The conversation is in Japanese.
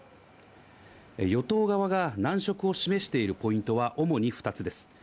与党側が難色を示しているポイントは主に２つです。